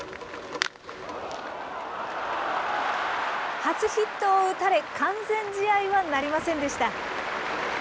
初ヒットを打たれ、完全試合はなりませんでした。